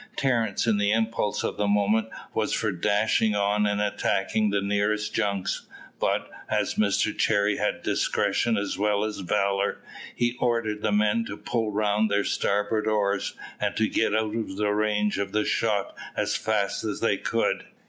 Terence, in the impulse of the moment, was for dashing on and attacking the nearest junks, but, as Mr Cherry had discretion as well as valour, he ordered the men to pull round their starboard oars, and to get out of the range of the shot as fast as they could.